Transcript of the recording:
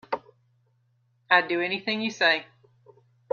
I'll do anything you say.